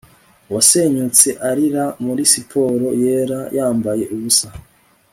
uwasenyutse arira muri siporo yera yambaye ubusa